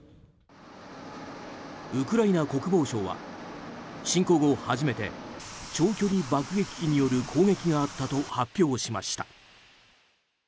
ウクライナ国防省は侵攻後初めて長距離爆撃機による攻撃があったと発表しました。